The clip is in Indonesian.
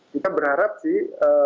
kita berharap sih